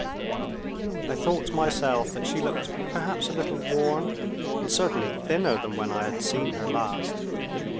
I thought myself that she looked perhaps a little worn, and certainly thinner than when I had seen her last.